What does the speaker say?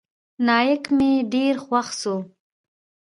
نايک مې ډېر خوښ سو.